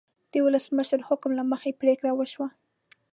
د ولسمشر حکم له مخې پریکړه وشوه.